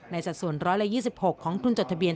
สัดส่วน๑๒๖ของทุนจดทะเบียน